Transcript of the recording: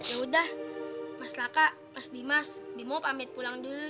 ya udah mas laka mas dimas bimo pamit pulang dulu